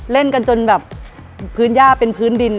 เล่นกันจนแบบพื้นย่าเป็นพื้นดิน